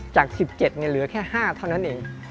จาก๑๗เหลือแค่๕เท่านั้นเอง